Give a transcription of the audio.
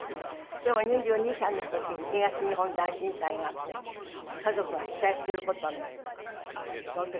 でも２２歳の時に東日本大震災があって家族が被災する事になってその時は大変でしたでしょう？